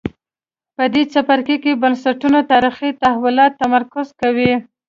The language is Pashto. په دې څپرکي کې بنسټونو تاریخي تحولاتو تمرکز کوو.